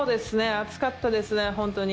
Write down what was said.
熱かったですね、本当に。